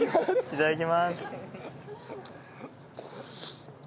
いただきます。